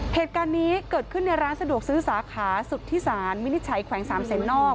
เหตุการณ์นี้เกิดขึ้นในร้านสะดวกซื้อสาขาสุธิศาลวินิจฉัยแขวงสามเศษนอก